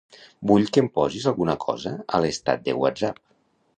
Vull que em posis alguna cosa a l'estat de Whatsapp.